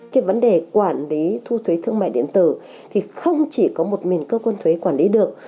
cái vấn đề quản lý thu thuế thương mại điện tử thì không chỉ có một mình cơ quan thuế quản lý được